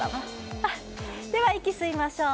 では息を吸いましょう。